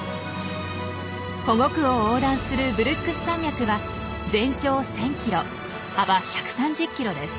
保護区を横断するブルックス山脈は全長１，０００ｋｍ幅１３０ｋｍです。